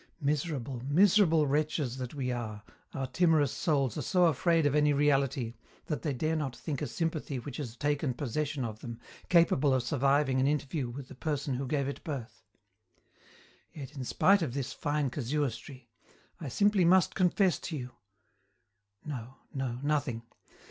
Miserable, miserable wretches that we are, our timorous souls are so afraid of any reality that they dare not think a sympathy which has taken possession of them capable of surviving an interview with the person who gave it birth. Yet, in spite of this fine casuistry, I simply must confess to you no, no, nothing.